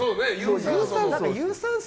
有酸素。